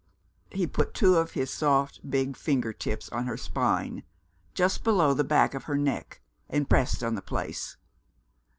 He put two of his soft big finger tips on her spine, just below the back of her neck, and pressed on the place.